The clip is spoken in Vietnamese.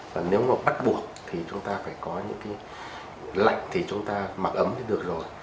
và nếu mà bắt buộc thì chúng ta phải có những cái lạnh thì chúng ta mặc ấm thì được rồi